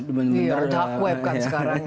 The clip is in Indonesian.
dark web kan sekarang